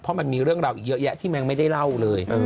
เพราะมันมีเรื่องราวอีกเยอะแยะที่แม่งไม่ได้เล่าเลย